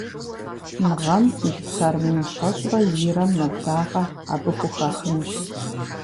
Мы гъэм гектар мин щэщӀрэ ирэм нэблагъэ абы хухахынущ.